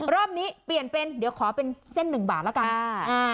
รอบนี้เปลี่ยนเป็นเดี๋ยวขอเป็นเส้นหนึ่งบาทแล้วกัน